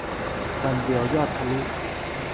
วันเดียวยอดทะลุ